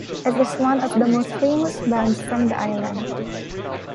It is one of the most famous bands from the island.